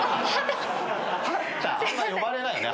あんま呼ばれないよね